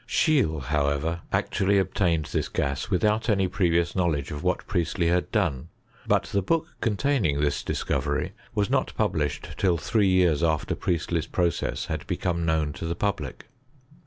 Scheele, however, actually obtained this gas without any previous knowledge of what Priestley had done; but the bcwk containing this discovery was not pub lished till three years after Priestley's process had become known to the public.